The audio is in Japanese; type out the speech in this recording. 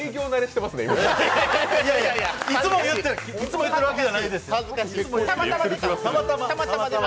いつも言ってるわけじゃないんです。